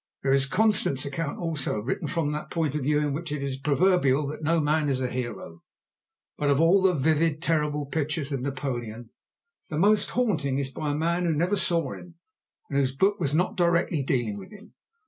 There is Constant's account, also written from that point of view in which it is proverbial that no man is a hero. But of all the vivid terrible pictures of Napoleon the most haunting is by a man who never saw him and whose book was not directly dealing with him.